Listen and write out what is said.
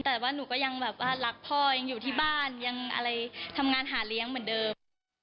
แต่ว่าหนูก็ยังแบบว่ารักพ่อยังอยู่ที่บ้านยังอะไรทำงานหาเลี้ยงเหมือนเดิม